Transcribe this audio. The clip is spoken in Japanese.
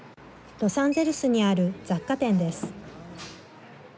ロサンゼルスにある雑貨店です。